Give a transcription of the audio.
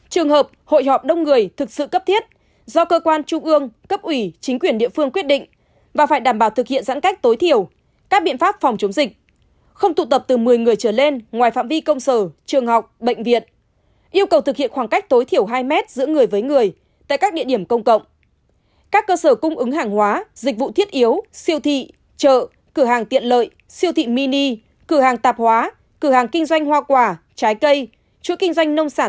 trường hợp hội họp đông người thực sự cấp thiết do cơ quan trung ương cấp ủy chính quyền địa phương quyết định và phải đảm bảo thực hiện giãn cách tối thiểu các biện pháp phòng chống dịch không tụ tập từ một mươi người trở lên ngoài phạm vi công sở trường học bệnh viện yêu cầu thực hiện khoảng cách tối thiểu hai mét giữa người với người tại các địa điểm công cộng các cơ sở cung ứng hàng hóa dịch vụ thiết yếu siêu thị chợ cửa hàng tiện lợi siêu thị mini cửa hàng tạp hóa cửa hàng kinh doanh hoa quả trái cây chuỗi kinh doanh nông sản